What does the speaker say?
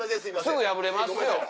すぐ破れますよ。